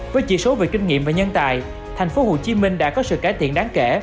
với chỉ số về kinh nghiệm và nhân tài thành phố hồ chí minh đã có sự cải thiện đáng kể